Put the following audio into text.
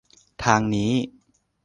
ทางนี้